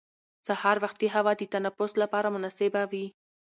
سهار وختي هوا د تنفس لپاره مناسبه وي